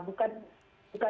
tidak siap seperti saya